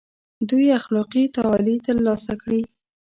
دوی اخلاقي تعالي تر لاسه کړي.